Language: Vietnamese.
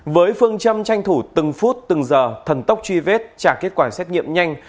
với phương châm tranh thủ từng phút từng giờ thần tốc truy vết trả kết quả xét nghiệm nhanh